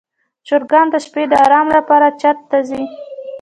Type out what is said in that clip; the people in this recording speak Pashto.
چرګان د شپې د آرام لپاره چت ته ځي.